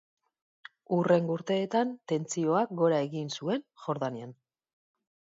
Hurrengo urteetan tentsioak gora egin zuen Jordanian.